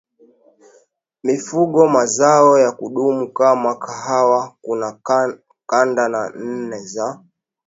mifugo mazao ya kudumu kama kahawa Kuna kanda nne za